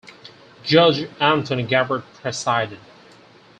Judge Anthony Gabbert presided.